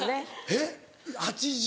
えっ８０。